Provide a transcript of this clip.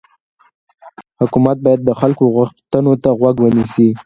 حکومت باید د خلکو غوښتنو ته غوږ ونیسي